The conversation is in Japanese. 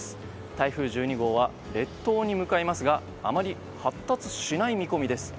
台風１２号は列島に向かいますがあまり発達しない見込みです。